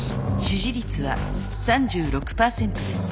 支持率は３６％です。